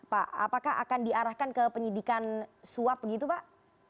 pak apakah akan diarahkan ke penyidikan suap begitu pak